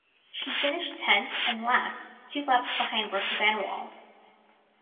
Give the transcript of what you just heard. She finished tenth and last, two laps behind Brooks' Vanwall.